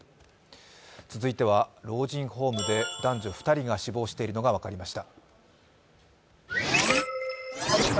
続いては老人ホームで男女２人が死亡しているのが分かりました。